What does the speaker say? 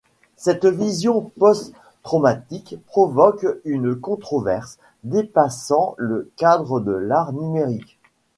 Cette vision post-traumatique provoque une controverse dépassant le cadre de l'art numérique.